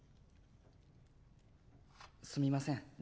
すみません